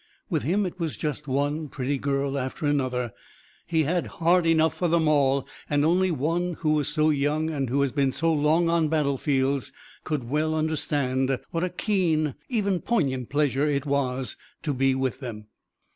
With him it was just one pretty girl after another. He had heart enough for them all, and only one who was so young and who had been so long on battlefields could well understand what a keen, even poignant, pleasure it was to be with them.